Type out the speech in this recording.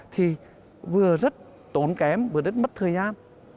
thì vừa rất tốn kém vừa rất mất thời gian